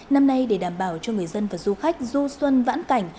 năm nay để đảm bảo cho người dân và du khách du xuân vãn cảnh